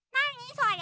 それ。